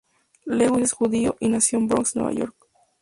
Lewis es judío, y nació en Bronx, Nueva York.